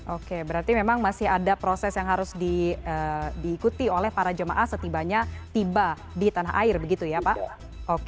oke berarti memang masih ada proses yang harus diikuti oleh para jemaah setibanya tiba di tanah air begitu ya pak